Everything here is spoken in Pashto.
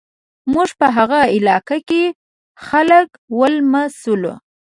موږ په هغه علاقه کې خلک ولمسول.